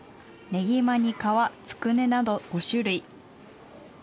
ねぎまに皮、つくねなど５種類。